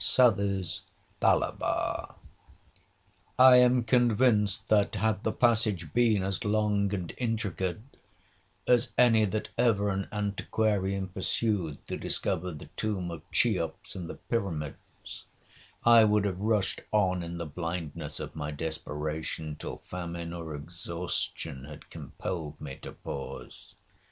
SOUTHEY'S THALABA 'I am convinced, that, had the passage been as long and intricate as any that ever an antiquarian pursued to discover the tomb of Cheops in the Pyramids, I would have rushed on in the blindness of my desperation, till famine or exhaustion had compelled me to pause.